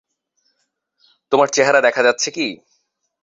তোমার চেহারা দেখা যাচ্ছে কি?